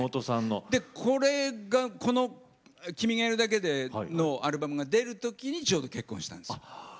で、この「君がいるだけで」のアルバムが出るときにちょうど結婚したんです。